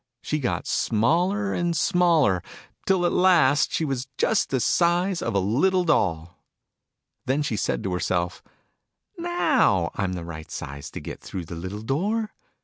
She got smaller, and smaller, till at last she was just the size of a little doll ! Then she said to herself "Now I'm the right size to get through the little door